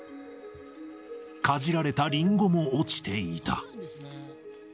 かじられたリンゴも落ちていた。